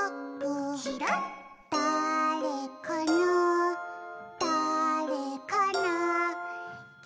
「だぁれかなだぁれかな」